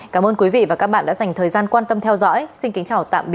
cảm ơn quý vị và các bạn đã dành thời gian quan tâm theo dõi xin kính chào tạm biệt và hẹn gặp lại